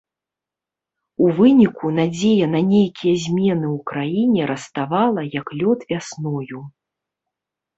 У выніку надзея на нейкія змены ў краіне раставала, як лёд вясною.